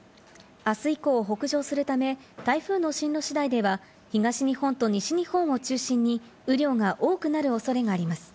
あす以降北上するため、台風の進路次第では、東日本と西日本を中心に雨量が多くなるおそれがあります。